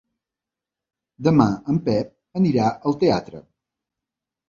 Demà en Pep anirà al teatre.